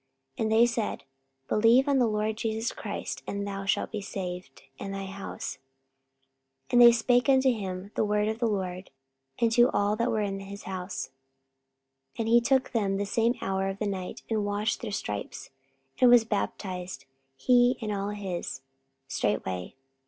44:016:031 And they said, Believe on the Lord Jesus Christ, and thou shalt be saved, and thy house. 44:016:032 And they spake unto him the word of the Lord, and to all that were in his house. 44:016:033 And he took them the same hour of the night, and washed their stripes; and was baptized, he and all his, straightway.